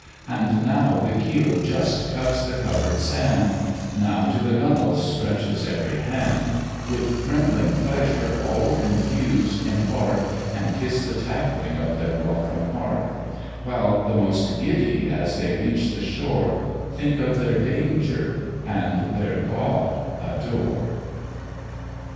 And now the keel just cuts the cover'd sand, Now to the gunwale stretches every hand: With trembling pleasure all confused embark, And kiss the tackling of their welcome ark; While the most giddy, as they reach the shore, Think of their danger, and their GOD adore.